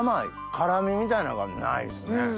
辛みみたいなのがないですね。